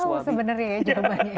tidak tahu sebenarnya jawabannya